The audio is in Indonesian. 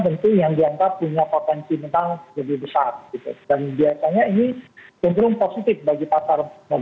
tentu yang diangkat punya potensi menang lebih besar